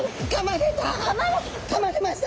かまれました！